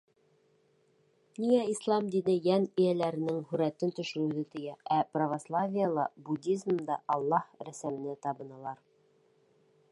Ниңә Ислам дине йән эйәләренең һүрәтен төшөрөүҙе тыя, ә православиела, буддизмда Аллаһ рәсеменә табыналар?